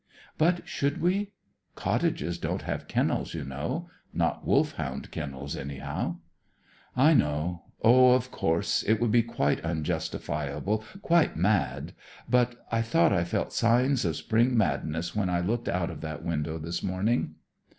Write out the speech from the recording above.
"But should we? Cottages don't have kennels, you know; not Wolfhound kennels, anyhow." "I know. Oh, of course, it would be quite unjustifiable, quite mad; but I thought I felt signs of spring madness when I looked out of that window this morning."